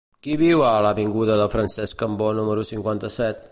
Qui viu a l'avinguda de Francesc Cambó número cinquanta-set?